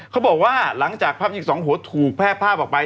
เขาบอกว่าหลังจากภาพอีก๒หัวถูกแพร่ภาพออกไป